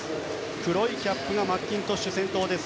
黒いキャップがマッキントッシュ先頭です。